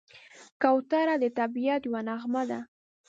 کوتره د طبیعت یوه نغمه ده.